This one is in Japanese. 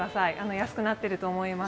安くなっていると思います。